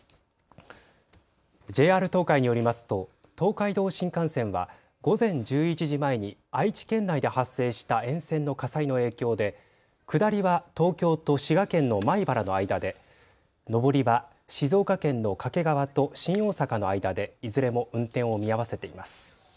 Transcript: ＪＲ東海によりますと東海道新幹線は午前１１時前に愛知県内で発生した沿線の火災の影響で下りは東京と滋賀県の米原の間で、上りは静岡県の掛川と新大阪の間でいずれも運転を見合わせています。